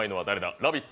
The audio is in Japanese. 「ラヴィット！」